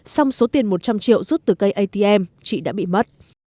xong số tiền một trăm linh triệu rút từ cây atm chị đã bị mất